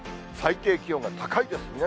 最低気温が高いです。